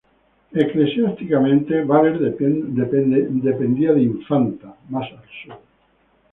Eclesiásticamente, Baler dependía de Infanta, más al sur.